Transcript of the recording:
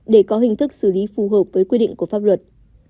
để có hình thức xử lý phù hợp với quy định của pháp luật